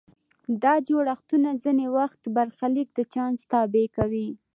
دا جوړښتونه ځینې وخت برخلیک د چانس تابع کوي.